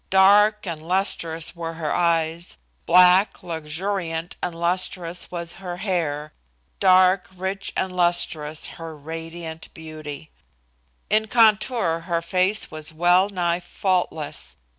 Dark and lustrous were her eyes; black, luxuriant and lustrous was her hair; dark, rich and lustrous her radiant beauty. In contour her face was well nigh faultless.